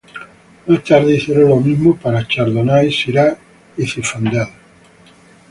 Más tarde, hicieron lo mismo para Chardonnay, Syrah, y Zinfandel.